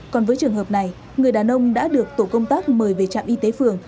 còn với trường hợp này người đàn ông đã được tổ công tác mời về trạm y tế phường